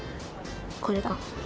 これだ。